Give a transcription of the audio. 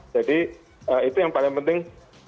jadi itu yang paling penting